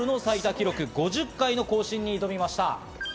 記録５０回の更新に挑みました。